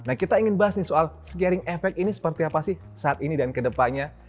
nah kita ingin bahas nih soal scaring effect ini seperti apa sih saat ini dan kedepannya